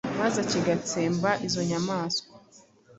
maze kigatsemba izo nyamaswa